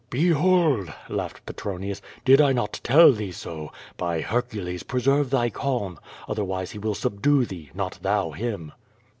"Behold!" laughed Petronius. "Did I not tell thee so? By Hercules, preserve thy calm, otherwise he will subdue thee; not thou him."